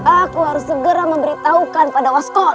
aku harus segera memberitahukan pada osco